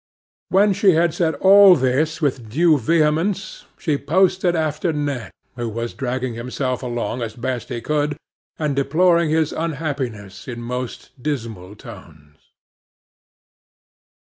When she had said all this with due vehemence, she posted after Ned, who was dragging himself along as best he could, and deploring his unhappiness in most dismal tones.